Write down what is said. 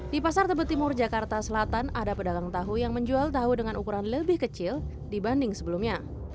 di pasar tebet timur jakarta selatan ada pedagang tahu yang menjual tahu dengan ukuran lebih kecil dibanding sebelumnya